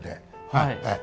はい。